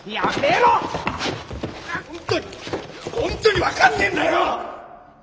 本当に本当に分かんねえんだよ！